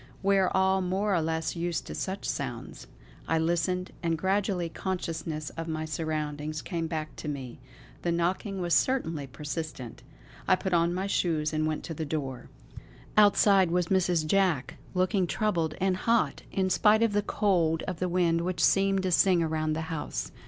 We are all more or less used to such sounds. I listened; and gradually consciousness of my surroundings came back to me. The knocking was certainly persistent.... I put on my shoes and went to the door. Outside was Mrs. Jack, looking troubled and hot in spite of the cold of the wind which seemed to sing around the house.